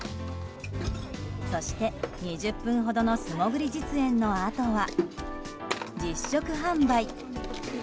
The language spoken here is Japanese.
そして、２０分ほどの素潜り実演のあとは実食販売。